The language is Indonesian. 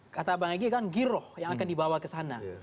kata bang egy kan giroh yang akan dibawa ke sana